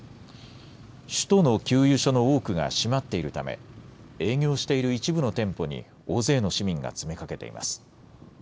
首都の給油所の多くが閉まっているため営業している一部の店舗に大勢の市民が詰めかけています。